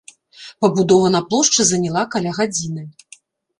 Пабудова на плошчы заняла каля гадзіны.